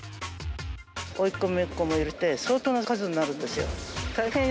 おいっ子、めいっ子も入れて、相当な数になるんですよ。